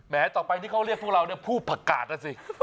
ต่อไปที่เขาเรียกพวกเราเนี่ยผู้ประกาศนะสิ